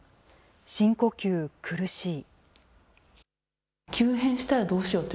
深呼吸、苦しい。